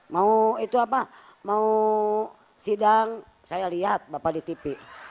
mau itu apa mau sidang saya lihat bapak di tv